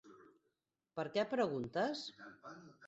Per què preguntes?